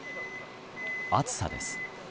暑さです。